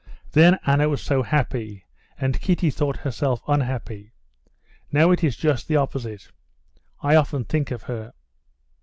"Then Anna was so happy, and Kitty thought herself unhappy. Now it is just the opposite. I often think of her."